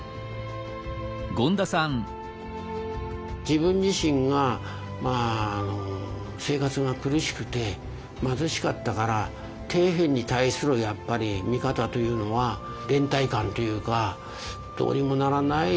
自分自身が生活が苦しくて貧しかったから底辺に対する見方というのは連帯感というかどうにもならない